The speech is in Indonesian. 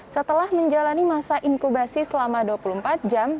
setelah menjalani masa inkubasi selama dua puluh empat jam